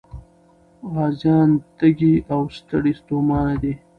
غازيان تږي او ستړي ستومانه دي.